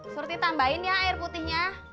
surti tambahin ya air putihnya